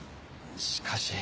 しかし。